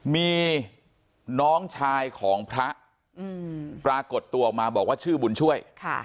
มีน้องชายของพระปรากฏตัวออกมาบอกว่าชื่อบุญช่วย